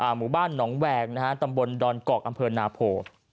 หมู่บ้านหนองแหวงนะฮะตำบลดอนกอกอำเภอนาโพ